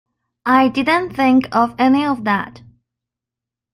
I didn't think of any of that.